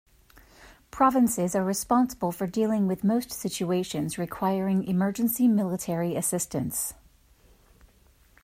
Provinces are responsible for dealing with most situations requiring emergency military assistance.